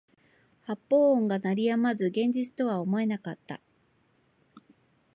発砲音が鳴り止まず現実とは思えなかった